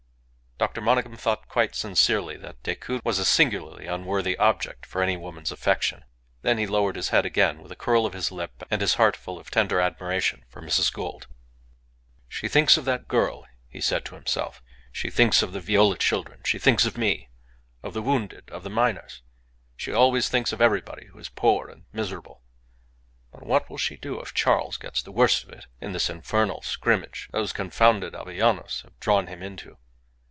Dr. Monygham thought quite sincerely that Decoud was a singularly unworthy object for any woman's affection. Then he lowered his head again, with a curl of his lip, and his heart full of tender admiration for Mrs. Gould. "She thinks of that girl," he said to himself; "she thinks of the Viola children; she thinks of me; of the wounded; of the miners; she always thinks of everybody who is poor and miserable! But what will she do if Charles gets the worst of it in this infernal scrimmage those confounded Avellanos have drawn him into?